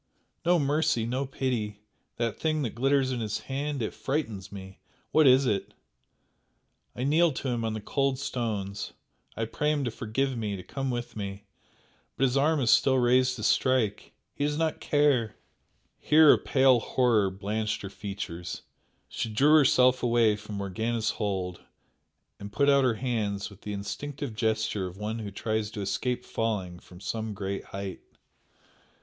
"No mercy, no pity! That thing that glitters in his hand it frightens me what is it? I kneel to him on the cold stones I pray him to forgive me to come with me but his arm is still raised to strike he does not care !" Here a pale horror blanched her features she drew herself away from Morgana's hold and put out her hands with the instinctive gesture of one who tries to escape falling from some great height.